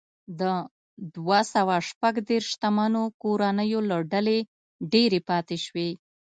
د دوه سوه شپږ دېرش شتمنو کورنیو له ډلې ډېرې پاتې شوې.